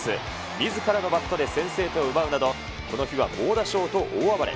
みずからのバットで先制点を奪うなど、この日は猛打賞と大暴れ。